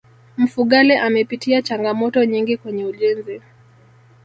mfugale amepitia changamoto nyingi kwenye ujenzi